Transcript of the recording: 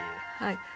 はい。